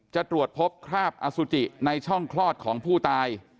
จะตรวจพบคราบอสุจิในช่องคลอดของผู้ตาย